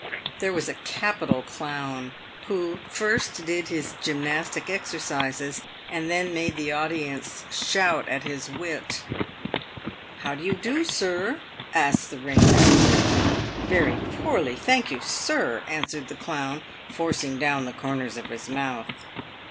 There was a capital clown, who first did his gymnastic exercises, and then made the audience shout at his wit. "How do you do, sir?" asked the ring master. "Very poorly, thank you, sir," answered the clown, forcing down the corners of his mouth.